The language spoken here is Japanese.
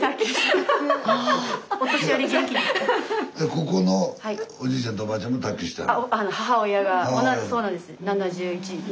ここのおじいちゃんとおばあちゃんと卓球してんの？